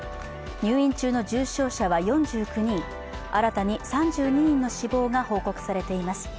入院中の重症者は４９人新たに３２人の死亡が報告されています。